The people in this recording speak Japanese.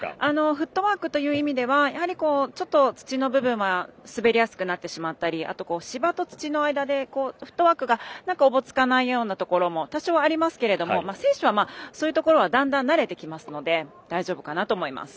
フットワークという意味ではやはり、ちょっと土の部分は滑りやすくなってしまったり芝と土の間でフットワークがなんかおぼつかないようなところも多少ありますけど選手はだんだん慣れてきますので大丈夫かなと思います。